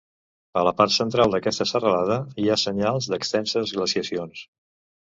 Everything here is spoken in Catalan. A la part central d'aquesta serralada hi ha senyals d'extenses glaciacions.